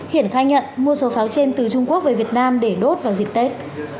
hiển khai nhận mua số pháo trên từ trung quốc về việt nam để đốt vào dịp tết